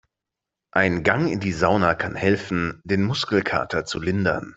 Ein Gang in die Sauna kann helfen, den Muskelkater zu lindern.